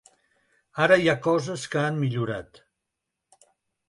Ara hi ha coses que han millorat.